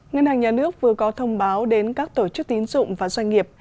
ngân hàng nhà nước vừa có thông báo đến các tổ chức tín dụng và doanh nghiệp